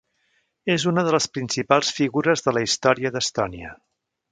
És una de les principals figures de la història d'Estònia.